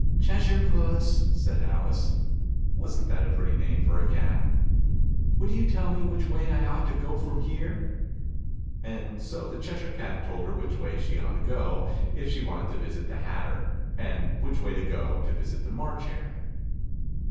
"Cheshire Puss!" said Alice. (Wasn't that a pretty name for a Cat ?)" Would you tell me which way I ought to go from here ?" And so the Cheshire Cat told her which way she ought to go, if she wanted to visit the Hatter, and which way to go, to visit the March Hare.